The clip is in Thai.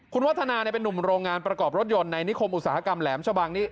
คุณวัฒนาเป็นนุ่มโรงงานประกอบรถยนต์ในนิคมอุตสาหกรรมแหลมชะบังนี่